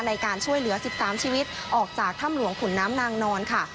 ในการช่วยเหลือ๑๓ชีวิตออกจากถ้ำหลวงขุนน้ำนางนอนค่ะ